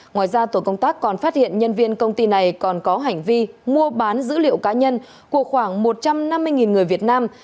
ngoài ra tổ công tác còn phát hiện nhân viên công ty này còn có hành vi mua bán dữ liệu cá nhân của khoảng một trăm năm mươi người việt nam